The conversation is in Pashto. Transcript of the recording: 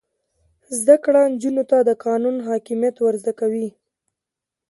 زده کړه نجونو ته د قانون حاکمیت ور زده کوي.